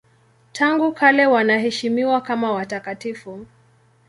Tangu kale wanaheshimiwa kama watakatifu.